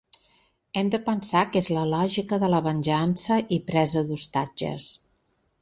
Hem de pensar que és la lògica de la venjança i presa d’ostatges.